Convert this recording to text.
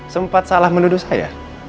sempat salah menuduh saya